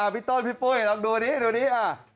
พี่ต้นพี่ปุ้ยลองดูดิดูนี้